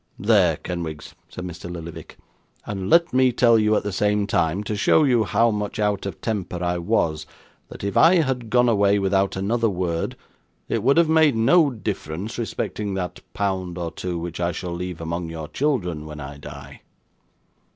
'There, Kenwigs,' said Mr. Lillyvick; 'and let me tell you, at the same time, to show you how much out of temper I was, that if I had gone away without another word, it would have made no difference respecting that pound or two which I shall leave among your children when I die.